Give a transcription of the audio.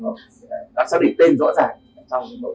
chúng ta xác định tên rõ ràng